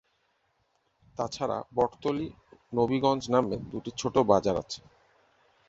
তাছাড়া বটতলী, নবীগঞ্জ নামে দুটি ছোট বাজার আছে।